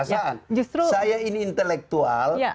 kebijakan justru saya ini intelektual